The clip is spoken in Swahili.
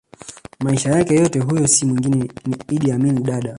maisha yake yote Huyo si mwengine ni Idi Amin Dada